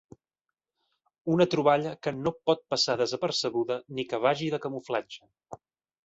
Una troballa que no pot passar desapercebuda ni que vagi de camuflatge.